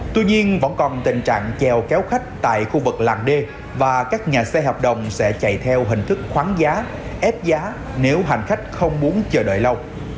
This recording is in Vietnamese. tuy nhiên vẫn còn tình trạng chèo kéo khách tại khu vực làng d và các nhà xe hợp đồng sẽ chạy theo hình thức khoáng giá ép giá nếu hành khách không muốn chờ đợi lâu